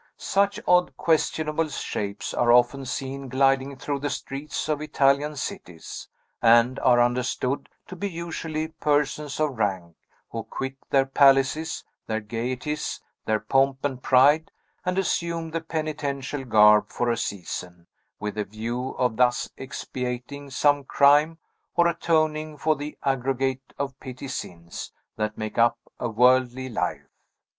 Such odd, questionable shapes are often seen gliding through the streets of Italian cities, and are understood to be usually persons of rank, who quit their palaces, their gayeties, their pomp and pride, and assume the penitential garb for a season, with a view of thus expiating some crime, or atoning for the aggregate of petty sins that make up a worldly life.